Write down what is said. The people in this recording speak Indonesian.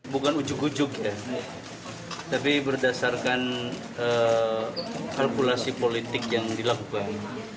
bukan ujuk ujuk ya tapi berdasarkan kalkulasi politik yang dilakukan